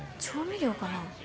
調味料かな？